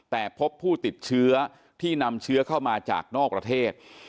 แต่พบผู้ติดเชื้อที่นำเชื้อเข้ามาจากนอกประเทศ